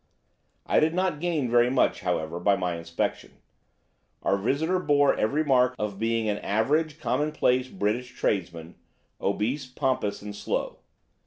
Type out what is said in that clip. I did not gain very much, however, by my inspection. Our visitor bore every mark of being an average commonplace British tradesman, obese, pompous, and slow.